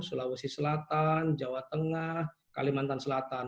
sulawesi selatan jawa tengah kalimantan selatan